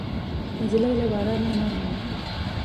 نجلۍ له بارانه نرمه ده.